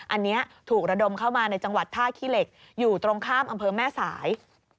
อันนี้ถูกระดมเข้ามาในจังหวัดท่าขี้เหล็กอยู่ตรงข้ามอำเภอแม่สาย